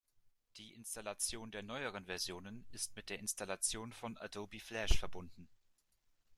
Die Installation der neueren Versionen ist mit der Installation von Adobe Flash verbunden.